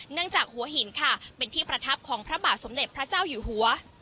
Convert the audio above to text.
จากหัวหินค่ะเป็นที่ประทับของพระบาทสมเด็จพระเจ้าอยู่หัว